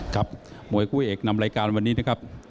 ครับมวยคู่เอกนำรายการวันนี้นะครับ